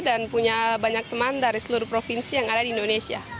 dan punya banyak teman dari seluruh provinsi yang ada di indonesia